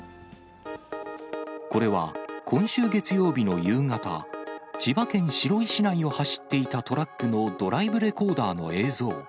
これは今週月曜日の夕方、千葉県白井市内を走っていたトラックのドライブレコーダーの映像。